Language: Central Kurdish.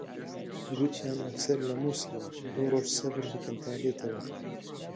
گوتیان ئەفسەر لە مووسڵە، دوو ڕۆژ سەبر بکەن تا دێتەوە